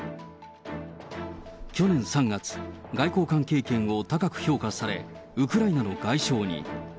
去年３月、外交官経験を高く評価され、ウクライナの外相に。